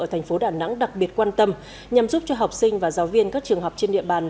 ở thành phố đà nẵng đặc biệt quan tâm nhằm giúp cho học sinh và giáo viên các trường học trên địa bàn